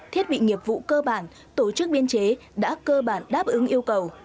thiết bị nghiệp vụ cơ bản tổ chức biên chế đã cơ bản đáp ứng yêu cầu